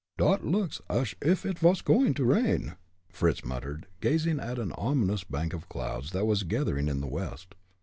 "Dot looks like ash uff it vas going to rain," Fritz muttered, gazing at an ominous bank of clouds that was gathering in the west.